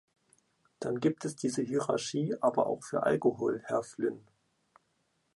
Dann gibt es diese Hierarchie aber auch für Alkohol, Herr Flynn!